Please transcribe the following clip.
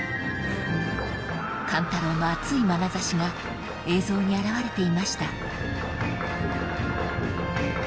［勘太郎の熱いまなざしが映像に現れていました］